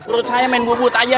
lu saya main bubut aja